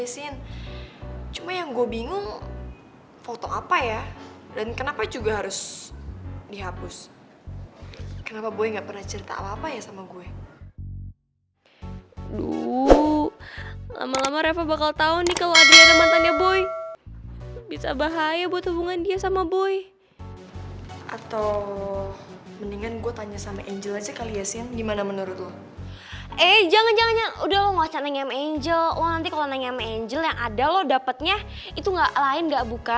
sampai jumpa di video selanjutnya